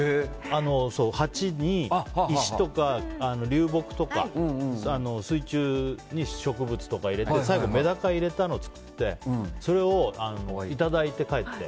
鉢に石とか流木とか水中に植物とか入れて最後、メダカ入れたのを作ってそれをいただいて帰って。